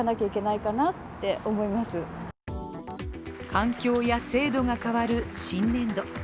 環境や制度が変わる新年度。